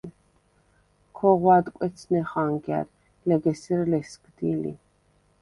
ქოღვ ადკვეცნე ხანგა̈რ, ლეგ ესერ ლესგდი ლი.